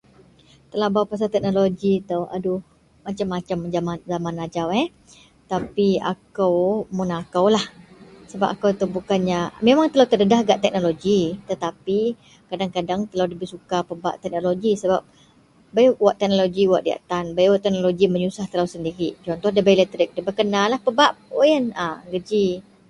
Telabau pasel teknologi itou aduh macem- macem- zaman ajau eh, tapi akou mun akoulah sebab akou, bukannya memang akou terdedah gak teknologi tetapi kadeng-kadeng telou debei suka pebak teknologi, sebap bei wak teknologi wak diyak tan, bei teknologi wak menyusah telou sendirik contoh debei letrik debei kenalah pebak wak yen, a geji